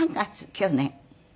去年？